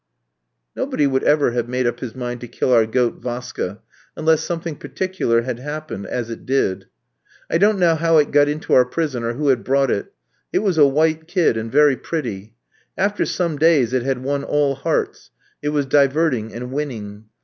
Nobody would ever have made up his mind to kill our goat Vaska, unless something particular had happened; as it did. I don't know how it got into our prison, or who had brought it. It was a white kid, and very pretty. After some days it had won all hearts, it was diverting and winning.